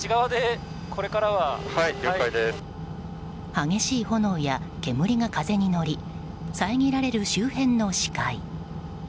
激しい炎や煙が風に乗り遮られる周辺の視界。